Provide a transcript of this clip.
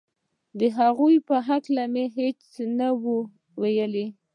د هغو په هکله مې هېچا ته څه نه ویل